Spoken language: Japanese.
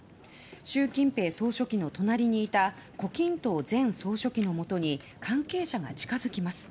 習近平総書記の隣にいた胡錦涛前総書記のもとに関係者が近づきます。